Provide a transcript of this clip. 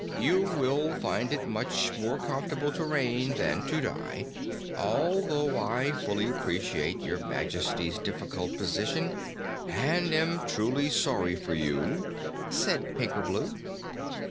"You will find it much more comfortable to reign than to die, although I fully appreciate Your Majesty's difficult position and am truly sorry for you," said Pinkerbloo.